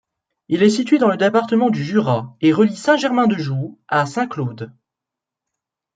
Il est situé dans le département du Jura et relie Saint-Germain-de-Joux à Saint-Claude.